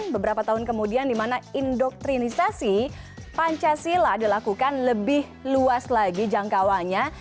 beberapa tahun kemudian di mana indoktrinisasi pancasila dilakukan lebih luas lagi jangkauannya